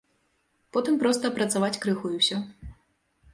Потым проста апрацаваць крыху і ўсё.